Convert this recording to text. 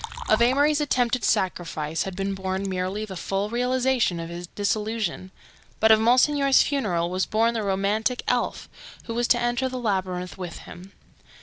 Of Amory's attempted sacrifice had been born merely the full realization of his disillusion, but of Monsignor's funeral was born the romantic elf who was to enter the labyrinth with him.